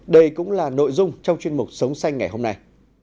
đây cũng là nội dung trong chuyên mục sống xanh ngày hôm nay